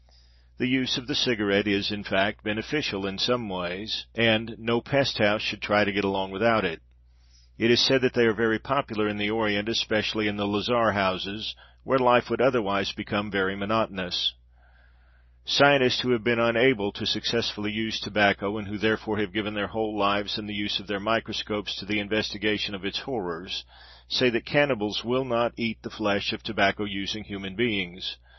The use of the cigarette is, in fact, beneficial in in some ways, and no pest house should try to get along without it. It is said that they are very popular in the orient, especially in the lazar houses, where life would otherwise become very monotonous. Scientists, who have been unable to successfully use tobacco and who therefore have given their whole lives and the use of their microscopes to the investigation of its horrors, say that cannibals will not eat the flesh of tobacco using human beings.